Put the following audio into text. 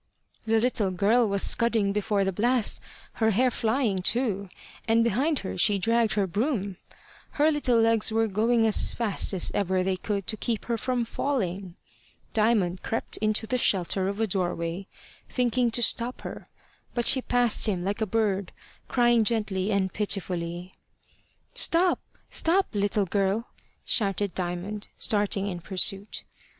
The little girl was scudding before the blast, her hair flying too, and behind her she dragged her broom. Her little legs were going as fast as ever they could to keep her from falling. Diamond crept into the shelter of a doorway, thinking to stop her; but she passed him like a bird, crying gently and pitifully. "Stop! stop! little girl," shouted Diamond, starting in pursuit.